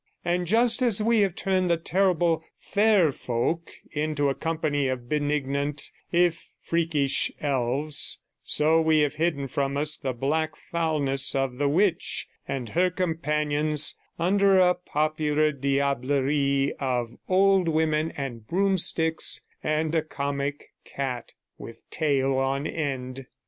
And just as we have turned the terrible 'fair folk' into a company of benignant, if freakish elves, so we have hidden from us the black foulness of the witch and her companions under a popular diablerie of old women and broomsticks, and a comic cat with tail on end.